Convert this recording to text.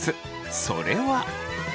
それは。